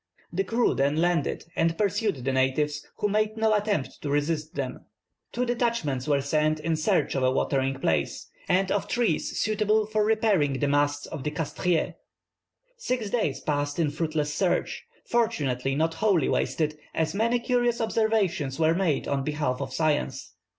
The crew then landed and pursued the natives, who made no attempt to resist them. Two detachments were sent in search of a watering place, and of trees suitable for repairing the masts of the Castries. Six days passed in fruitless search; fortunately not wholly wasted, as many curious observations were made on behalf of science.